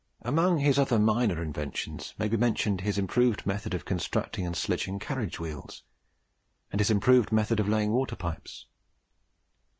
Among his other minor inventions may be mentioned his improved method of constructing and sledging carriage wheels, and his improved method of laying water pipes.